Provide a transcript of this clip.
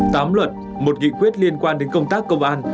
tám luật một nghị quyết liên quan đến công tác công an